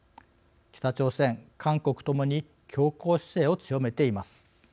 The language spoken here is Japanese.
北朝鮮、韓国共に強硬姿勢を強めています。